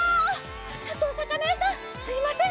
ちょっとおさかなやさんすみません。